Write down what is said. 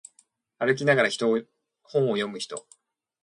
歩きながら本を読む人